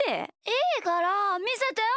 いいからみせてよ！